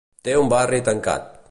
Té un barri tancat.